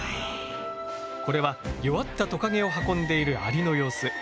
これは弱ったトカゲを運んでいるアリの様子。